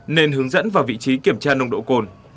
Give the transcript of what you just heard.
nên hướng dẫn vào vị trí kiểm tra nồng độ cồn